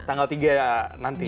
tanggal tiga nanti ya